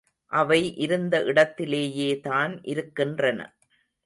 அவை இருந்த இடத்திலேயேதான் இருக்கின்றன.